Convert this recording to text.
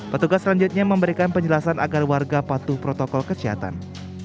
petugas selanjutnya memberikan penjelasan agar warga patuh protokol kesehatan